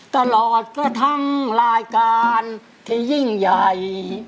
ตลอดกระทั่งรายการที่ยิ่งใหญ่